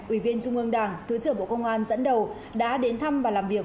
ủy viên trung ương đảng thứ trưởng bộ công an dẫn đầu đã đến thăm và làm việc